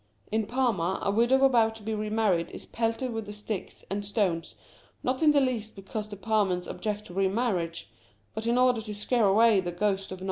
In Parma a widow about to be remarried is pelted with sticks and stones, not in the least because the Parmans object to remarriage, but in order to scare away the ghost of No.